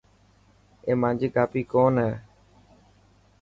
اي مانجي ڪاپي ڪون هي.